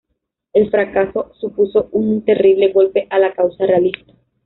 El fracaso supuso un terrible golpe a la causa realista.